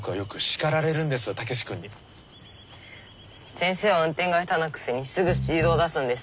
先生は運転が下手なくせにすぐスピードを出すんです。